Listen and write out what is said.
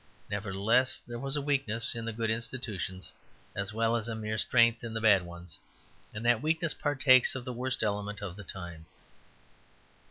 Nevertheless, there was a weakness in the good institutions as well as a mere strength in the bad ones; and that weakness partakes of the worst element of the time.